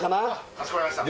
かしこまりました